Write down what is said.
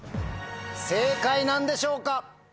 正解なんでしょうか？